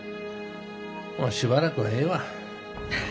もうしばらくはええわ。